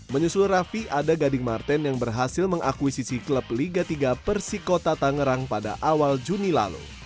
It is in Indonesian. menyusul raffi ada gading martin yang berhasil mengakuisisi klub liga tiga persikota tangerang pada awal juni lalu